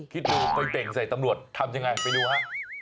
คิดดูไปเต่งใส่ตำรวจทำยังไงไปดูฮะ